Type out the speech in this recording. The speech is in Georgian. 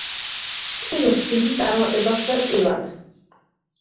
ფილმს დიდი წარმატება ხვდა წილად.